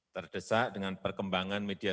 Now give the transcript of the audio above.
terdesak dengan perkembangan media